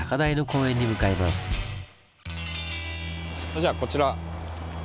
それじゃあこちら。